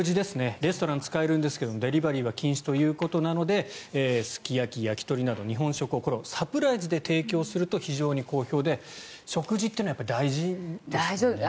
レストランは使えるんですがデリバリーは禁止ということなのですき焼き、焼き鳥など日本食をサプライズで提供すると非常に好評で食事ってのは大事ですね。